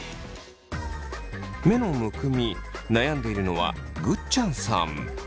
目のむくみ悩んでいるのはぐっちゃんさん。